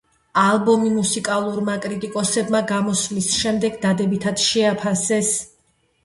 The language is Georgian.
ალბომი მუსიკალურმა კრიტიკოსებმა გამოსვლის შემდეგ დადებითად შეაფასეს.